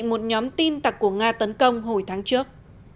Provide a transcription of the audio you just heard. một nhóm tin tặc của nga tấn công hồi tháng trước